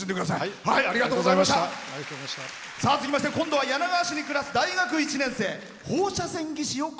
続きまして今度は柳川市に暮らす大学１年生。